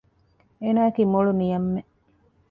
އޭނާ އަކީ މޮޅު ނިޔަންމެއް